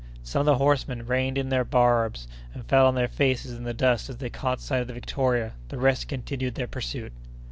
Some of the horsemen reined in their barbs, and fell on their faces in the dust as they caught sight of the Victoria; the rest continued their pursuit.